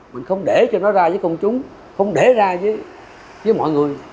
mình không để cho nó ra với công chúng không để ra với mọi người